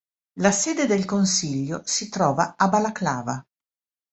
La sede del consiglio si trova a Balaklava.